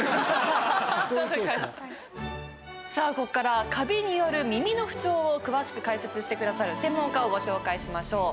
さあここからカビによる耳の不調を詳しく解説してくださる専門家をご紹介しましょう。